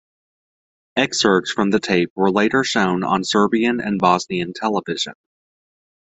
Excerpts from the tape were later shown on Serbian and Bosnian television.